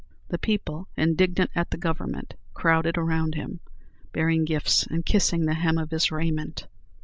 The people, indignant at the Government, crowded around him, bearing gifts, and kissing the hem of his raiment.